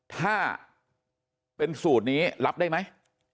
ถ้าเป็นสูตรนี้รับได้ไหม